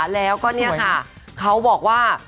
แล้วก็เนี่ยค่ะเขาบอกว่า